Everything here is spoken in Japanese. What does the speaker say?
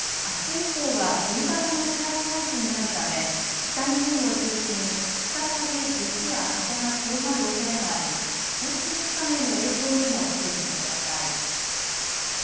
あす以降は冬型の気圧配置になるため北日本を中心に再び雪や風が強まるおそれがあり交通機関への影響にも注意してください。